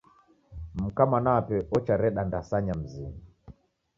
Mka mwana wape ochareda ndasanya mzinyi.